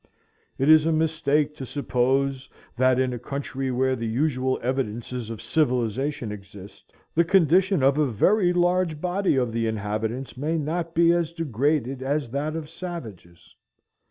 It is a mistake to suppose that, in a country where the usual evidences of civilization exist, the condition of a very large body of the inhabitants may not be as degraded as that of savages.